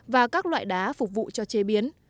và các loại đá phục vụ cho chế biến